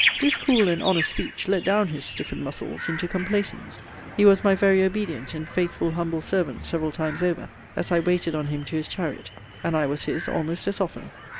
This cool and honest speech let down his stiffened muscles into complacence. He was my very obedient and faithful humble servant several times over, as I waited on him to his chariot: and I was his almost as often.